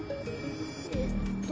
えっと。